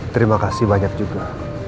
terima kasih banyak juga